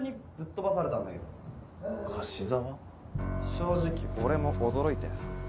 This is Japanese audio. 正直俺も驚いたよ。